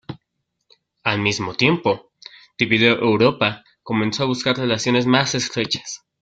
Al mismo tiempo, dividido Europa comenzó a buscar relaciones más estrechas.